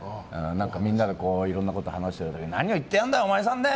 みんなでいろんなこと話してる時に何を言ってんだお前さんはあ！